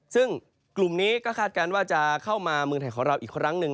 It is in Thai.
ซึ่งกลุ่มนี้ก็คาดการณ์ว่าจะเข้ามาเมืองไทยของเราอีกครั้งหนึ่ง